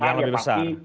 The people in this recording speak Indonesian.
yang lebih besar